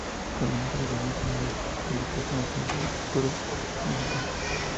Cuando muchos de los niños salieron de sus escondites, Lanza les disparó y mató.